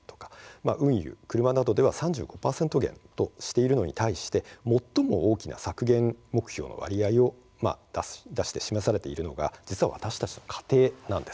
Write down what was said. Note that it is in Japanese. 運輸、車などでは３．５％減としているのに対して最も大きい削減目標を示されているのが「家庭」なんです。